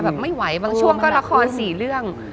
แบบไม่ไหวบางช่วงก็ละคร๔เรื่อง